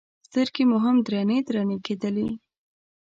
سترګې مو هم درنې درنې کېدلې.